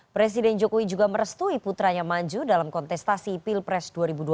presiden jokowi juga merestui putranya maju dalam kontestasi pilpres dua ribu dua puluh